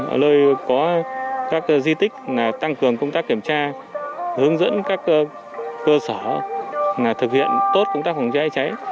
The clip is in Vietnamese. ở nơi có các di tích tăng cường công tác kiểm tra hướng dẫn các cơ sở thực hiện tốt công tác phòng cháy cháy